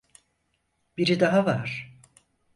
Biri daha var.